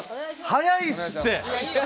早いっすって。